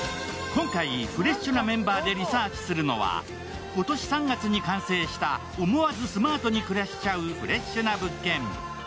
今回フレッシュなメンバーでリサーチするのは今年３月に完成した、思わずスマートに暮らしちゃうフレッシュな物件。